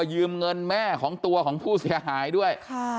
ยืมเงินแม่ของตัวของผู้เสียหายด้วย